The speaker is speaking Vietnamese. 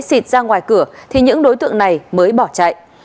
xịt ra ngoài cửa thì những đối tượng này mới bỏ chạy